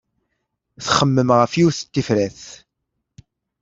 Txemmem ɣef yiwet n tifrat.